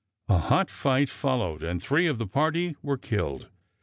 A hot fight followed, and three of the party were killed.